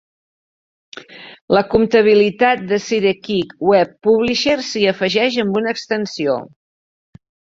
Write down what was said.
La compatibilitat de Sidekick Web Publisher s'hi afegeix amb una extensió.